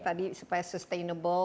tadi supaya sustainable